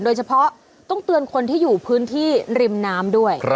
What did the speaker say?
โดยเฉพาะต้องเตือนคนที่อยู่พื้นที่ริมน้ำด้วย